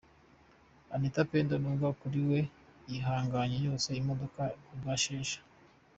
Anita Pendo nubwo akuriwe yihanganye yoza imodoka kubwa Sheja.